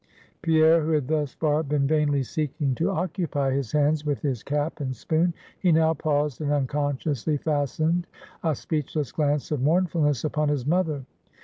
Pierre, who had thus far been vainly seeking to occupy his hands with his cap and spoon; he now paused, and unconsciously fastened a speechless glance of mournfulness upon his mother.